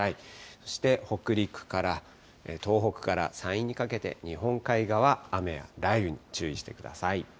そして北陸から、東北から山陰にかけて、日本海側、雨や雷雨に注意してください。